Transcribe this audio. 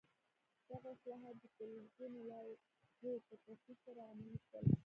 دغه اصلاحات د سلګونو لایحو په تصویب سره عملي شول.